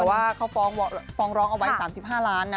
แต่ว่าเขาฟ้องร้องเอาไว้๓๕ล้านนะ